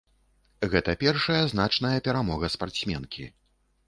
Гэта першая значная перамога спартсменкі.